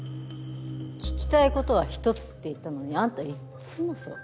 聞きたいことは１つって言ったのにあんたいっつもそう。